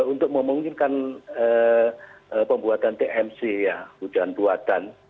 untuk memungkinkan pembuatan tmc ya hujan buatan